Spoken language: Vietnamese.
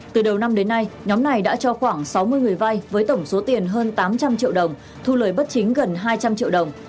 từ đầu năm đến nay nhóm này đã cho khoảng sáu mươi người vai với tổng số tiền hơn tám trăm linh triệu đồng thu lời bất chính gần hai trăm linh triệu đồng